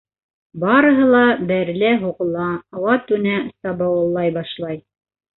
Барыһы ла бәрелә-һуғыла, ауа-түнә сабауыллай башланы.